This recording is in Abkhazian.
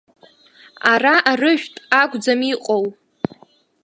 Ара арыжәтә акәӡам иҟоу.